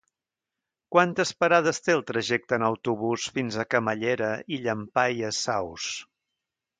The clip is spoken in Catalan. Quantes parades té el trajecte en autobús fins a Camallera i Llampaies Saus?